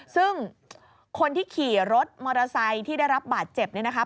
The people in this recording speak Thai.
ซึ่งคนที่ขี่รถมอเตอร์ไซค์ที่ได้รับบาดเจ็บเนี่ยนะคะ